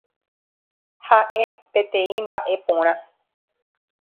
Ha'e peteĩ mba'eporã.